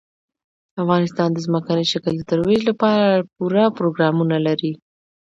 افغانستان د ځمکني شکل د ترویج لپاره پوره پروګرامونه لري.